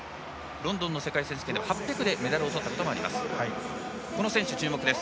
ロンドンの世界選手権では８００でメダルをとったこともあります。